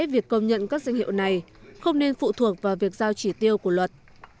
việc công nhận các danh hiệu này không nên phụ thuộc vào việc giao chỉ tiêu của luật